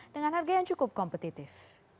dengan harga yang cukup kompetitif